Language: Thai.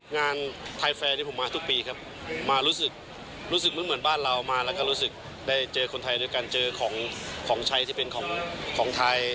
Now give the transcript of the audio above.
งานไทยแฟร์ที่ผมมาทุกปีครับมารู้สึกรู้สึกเหมือนบ้านเรามาแล้วก็รู้สึกได้เจอคนไทยด้วยกันเจอของของใช้ที่เป็นของไทย